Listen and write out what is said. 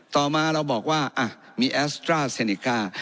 ต่อมาเราบอกว่ามีแอสตราเซเนก้า